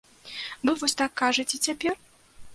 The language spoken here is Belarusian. Вы вось так кажаце цяпер?